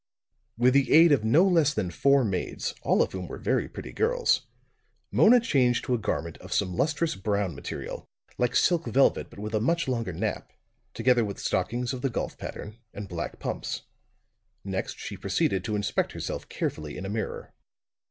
With the aid of no less than four maids, all of whom were very pretty girls, Mona changed to a garment of some lustrous brown material, like silk velvet but with a much longer nap, together with stockings of the golf pattern, and black pumps. Next she proceeded to inspect herself carefully in a mirror.